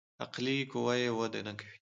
عقلي قوه يې وده نکوي.